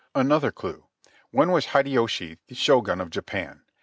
Another clue: when was Hideyoshi the Shogun of Japan?